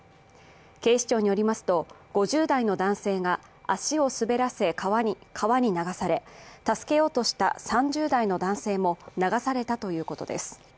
警視庁によりますと、５０代の男性が足を滑らせ、川に流され、助けようとした３０代の男性も流されたということです。